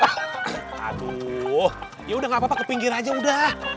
aduh ya udah gak apa apa ke pinggir aja udah